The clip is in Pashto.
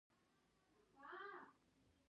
تالابونه د افغانستان د صنعت لپاره مواد برابروي.